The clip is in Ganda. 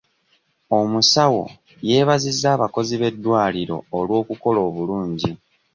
Omusawo yeebazizza abakozi b'eddwaliro olw'okukola obulungi.